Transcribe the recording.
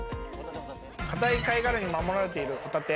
硬い貝殻に守られているホタテ。